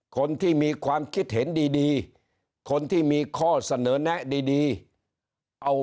คนที่มีความคิดเห็นดีคนที่มีข้อเสนอแนะดีเอา